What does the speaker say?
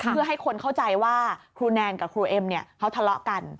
เพื่อให้คนเข้าใจว่าครูแนนกับครูเอ็มเนี่ยเขาทะเลาะกัน